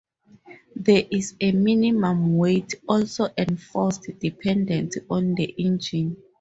There is a minimum weight also enforced dependent on the engine.